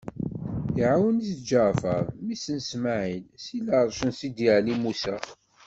Iɛawen-it Ǧeɛfeṛ, mmi-s n Smaɛil, si lɛeṛc n Sidi Ɛli Musa.